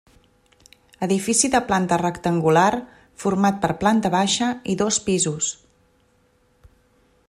Edifici de planta rectangular format per planta baixa i dos pisos.